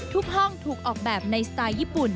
ห้องถูกออกแบบในสไตล์ญี่ปุ่น